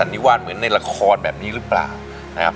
นิวาสเหมือนในละครแบบนี้หรือเปล่านะครับ